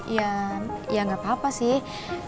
ya gak apa apa sih